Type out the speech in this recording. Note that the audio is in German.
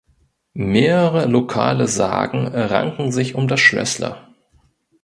Mehrere lokale Sagen ranken sich um das Schlössle.